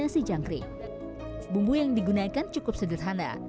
ditemani estri yang merupakan warga asli kota kudus